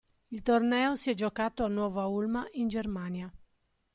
Il torneo si è giocato a Nuova Ulma in Germania.